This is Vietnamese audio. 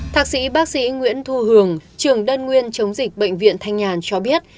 thạc sĩ bác sĩ nguyễn thu hường trưởng đơn nguyên chống dịch bệnh viện thanh nhàn cho biết